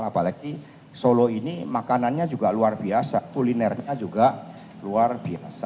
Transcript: apalagi solo ini makanannya juga luar biasa kulinernya juga luar biasa